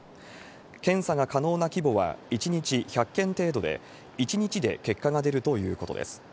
検査が可能な規模は１日１００件程度で、１日で結果が出るということです。